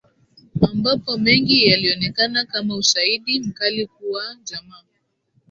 Ambapo mengi yalionekana kama ushaidi mkali kuwa jamaa